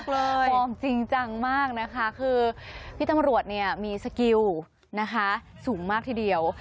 วอร์มจริงจังมากเลยนะคะคือพี่ตำรวจมีสกิลสูงมากทีเดียว